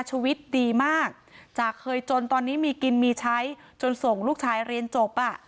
ชีวิตดีมากจากเคยจนตอนนี้มีกินมีใช้จนส่งลูกชายเรียนจบอ่ะ